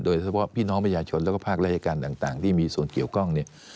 โดยเฉพาะพี่น้องประชาชนแล้วก็ภาคราชการต่างที่มีส่วนเกี่ยวข้องเนี่ย